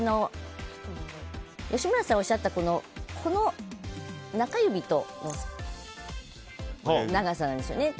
吉村さんがおっしゃった中指と親指の長さなんですよね。